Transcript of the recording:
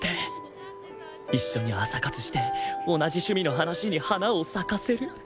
一緒に朝活して同じ趣味の話に花を咲かせる